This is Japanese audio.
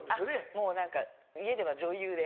もう何か家では女優で。